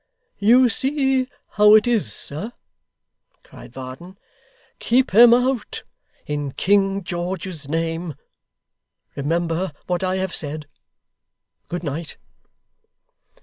'You see how it is, sir?' cried Varden. 'Keep 'em out, in King George's name. Remember what I have said. Good night!